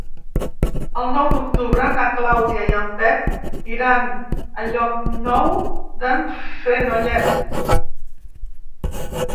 El nou d'octubre na Clàudia i en Pep iran a Llocnou d'en Fenollet.